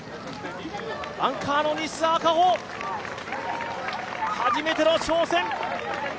アンカーの西澤果穂、初めての挑戦